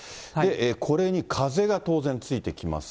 これに風が当然ついてきます。